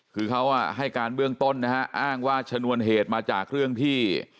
คือเขาให้การเบื้องต้นนะฮะอ้างว่าชนวนเหตุมาจากเรื่องที่